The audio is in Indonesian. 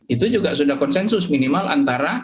itu juga sudah konsensus minimal antara